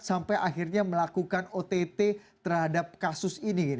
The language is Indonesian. sampai akhirnya melakukan ott terhadap kasus ini